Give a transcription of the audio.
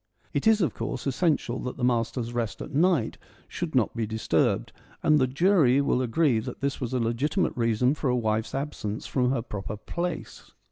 (It is, of course, essential that the master's rest at might should not be disturbed, and the jury will agree that this was a legitimate reason for a wife's absence from her proper place.)